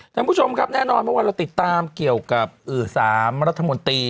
ดังผู้ชมครับแล้วเราติดตามเรื่องเกี่ยวกับ๓รัฐมนตรี